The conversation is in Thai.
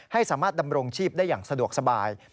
ให้สามารถดำรงชีพได้อย่างสะดวกสบาย